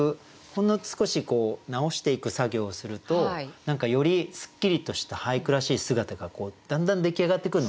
ほんの少し直していく作業をするとよりすっきりとした俳句らしい姿がだんだん出来上がってくるの分かりませんか？